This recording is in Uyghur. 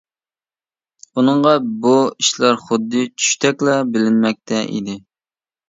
ئۇنىڭغا بۇ ئىشلار خۇددى چۈشتەكلا بىلىنمەكتە ئىدى.